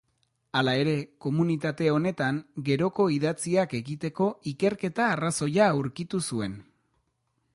Hala ere, komunitate honetan geroko idatziak egiteko ikerketa-arrazoia aurkitu zuen.